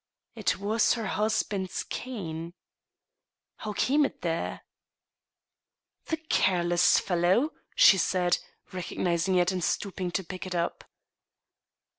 It was her husband's cane. How came it there ?" The careless fellow !" she said, recognizing it, and stooping to pick it up.